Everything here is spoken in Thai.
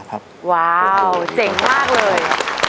ว้าวเจ๋งมากเลย